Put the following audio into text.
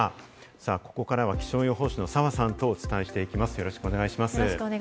ここからは気象予報士の澤さんとお伝えしていきます、よろしくお願いします。